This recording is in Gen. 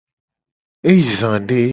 E yi za de.